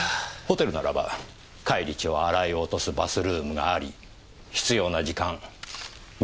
ホテルなら返り血を洗い落とすバスルームがあり必要な時間密室化出来ますからね。